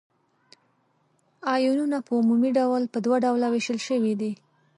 آیونونه په عمومي ډول په دوه ډلو ویشل شوي دي.